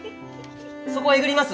そこえぐります？